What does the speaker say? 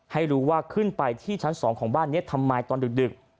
ให้รู้ว่าขึ้นไปที่ชั้น๒ของบ้านนี้ทำไมตอนดึก